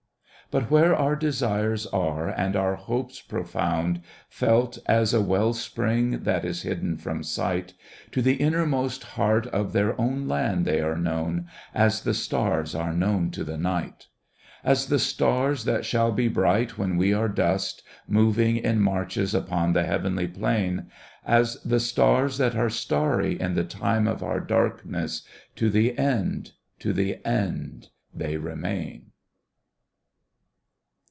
But where our desires are and our hopes pro found. Felt as a well spring that is hidden from sight, To the innermost heart of their own land they are known As the stars are known to the Night ; As the stars that shall be bright when we are dust Moving in marches upon the heavenly plain. As the stars that are starry in the time of our darkness, To the end, to the end, they remain.